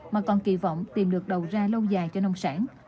mà còn kỳ vọng tìm được đầu ra lâu dài cho nông sản